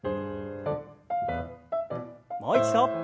もう一度。